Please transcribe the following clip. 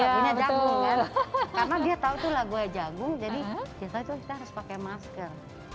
karena dia tau tuh lagunya jagung jadi dia tahu kita harus pakai masker